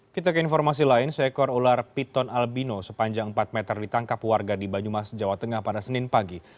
kita ke informasi lain seekor ular piton albino sepanjang empat meter ditangkap warga di banyumas jawa tengah pada senin pagi